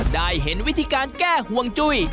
ได้เห็นวิธีการแก้ห่วงจุ้ย